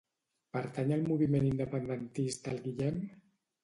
Pertany al moviment independentista el Guillem?